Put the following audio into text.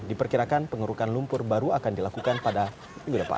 diperkirakan pengurukan lumpur baru akan dilakukan pada minggu depan